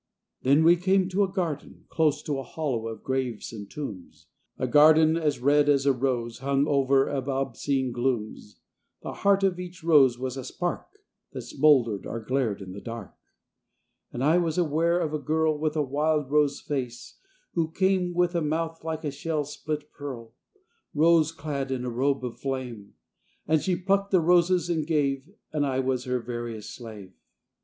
Then we came to a garden, close To a hollow of graves and tombs; A garden as red as a rose, Hung over of obscene glooms; The heart of each rose was a spark That smouldered or glared in the dark. And I was aware of a girl With a wild rose face, who came, With a mouth like a shell's split pearl, Rose clad in a robe of flame; And she plucked the roses and gave, And I was her veriest slave.